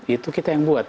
itu kita yang buat